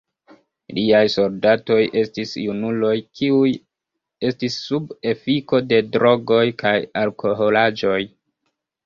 Liaj soldatoj estis junuloj kiuj estis sub efiko de drogoj kaj alkoholaĵoj.